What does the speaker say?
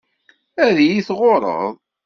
Ad yi-tɣurreḍ.